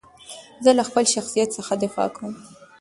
زه له خپل شخصیت څخه دفاع کوم.